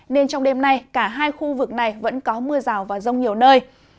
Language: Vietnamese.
nên trong đêm nay cả hai khu vực này vẫn có mưa rào và rông nhiều nơi